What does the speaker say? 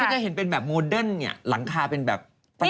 จะเห็นเป็นแบบโมเดิร์นเนี่ยหลังคาเป็นแบบไฟ